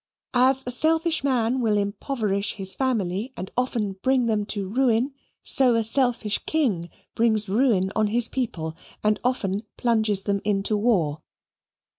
As a selfish man will impoverish his family and often bring them to ruin, so a selfish king brings ruin on his people and often plunges them into war.